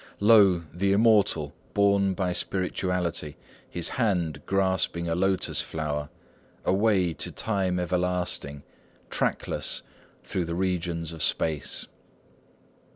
"Lo, the Immortal, borne by spirituality, His hand grasping a lotus flower, Away to Time everlasting, Trackless through the regions of Space!"